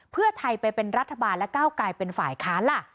เพื่อไทยไปเป็นรัฐบาลและก้าวกลายเป็นฝ่ายค้านล่ะ